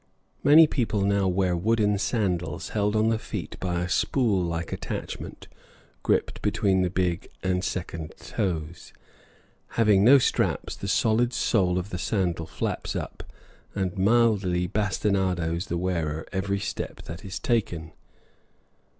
Many people now wear wooden sandals held on the feet by a spool like attachment, gripped between the big and second toes. Having no straps, the solid sole of the sandal flaps up and mildly bastinadoes the wearer every step that is taken.